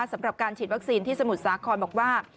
สำหรับการฉีดวัคซีนที่สมุทรสาครบอกว่า